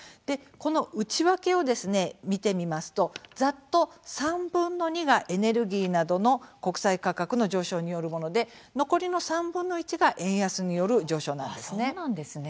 この内訳を見てみますとざっと、３分の２がエネルギーなどの国際価格の上昇によるもので残りの３分の１が円安による上昇なんですね。